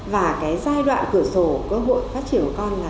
và cái giai đoạn cửa sổ cơ hội phát triển của con là